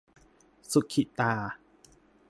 สุขิตา